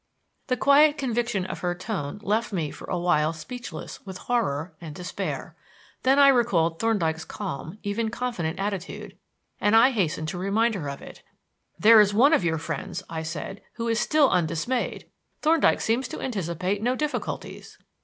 The quiet conviction of her tone left me for a while speechless with horror and despair. Then I recalled Thorndyke's calm, even confident, attitude, and I hastened to remind her of it. "There is one of your friends," I said, "who is still undismayed. Thorndyke seems to anticipate no difficulties."